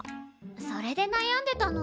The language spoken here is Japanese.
それでなやんでたの。